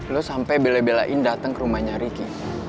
lo sampai bela belain datang ke rumahnya ricky